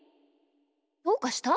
どうかした？